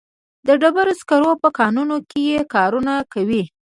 د ډبرو سکرو په کانونو کې کارونه کوي.